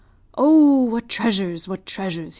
'Oh, what treasures! what treasures!'